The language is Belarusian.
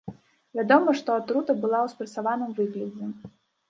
Вядома, што атрута была ў спрэсаваным выглядзе.